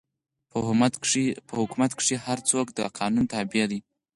په حکومت کښي هر څوک د قانون تابع دئ.